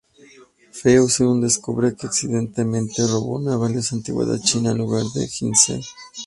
Fei-hung descubre que accidentalmente robó una valiosa antigüedad china en lugar del ginseng.